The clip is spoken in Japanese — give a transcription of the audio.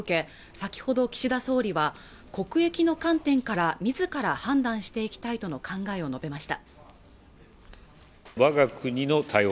先ほど岸田総理は国益の観点から自ら判断していきたいとの考えを述べました